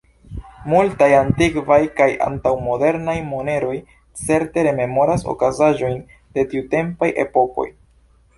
Multaj antikvaj kaj antaŭ-modernaj moneroj certe rememoras okazaĵojn de tiutempaj epokoj.